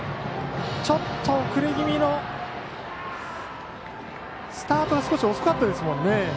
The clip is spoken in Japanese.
ちょっと遅れ気味のスタートが少し遅かったですもんね。